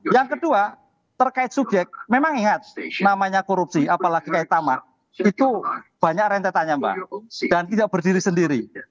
yang kedua terkait subyek memang ingat namanya korupsi apalagi kayak taman itu banyak rentetannya mbak dan tidak berdiri sendiri